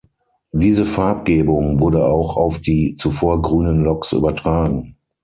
Diese Farbgebung wurde auch auf die zuvor grünen Loks übertragen.